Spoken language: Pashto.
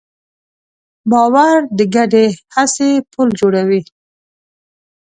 باور د ګډې هڅې پُل جوړوي.